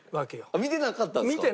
あっ見てなかったんですか？